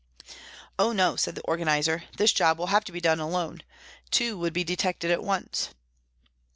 " Oh, no," said the organiser, " this job will have to be done alone two would be detected at once."